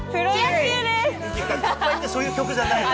そういう曲じゃないの。